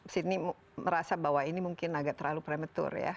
sini merasa bahwa ini mungkin agak terlalu premature ya